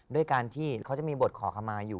ด้วยการที่เขาจะมีบทขอขมาอยู่